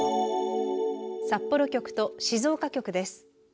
札幌局と静岡局です。